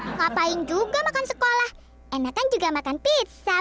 ngapain juga makan sekolah enakan juga makan pizza bro